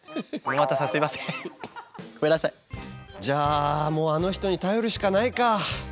じゃあもうあの人に頼るしかないか。